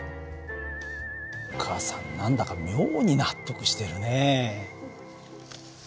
お母さん何だか妙に納得してるね。